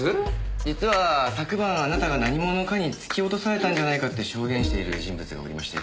実は昨晩あなたが何者かに突き落とされたんじゃないかって証言している人物がおりまして。